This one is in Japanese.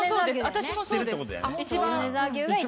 私もそうです。